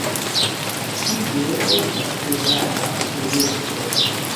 Tio estas erara projekto.